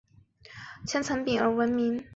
鄣城村以其特产千层饼而闻名。